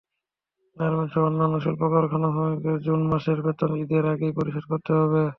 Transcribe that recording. গার্মেন্টসসহ অন্যান্য শিল্প–কারখানার শ্রমিকদের জুন মাসের বেতন ঈদের আগেই পরিশোধ করতে হবে।